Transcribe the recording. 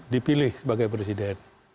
dipilih sebagai presiden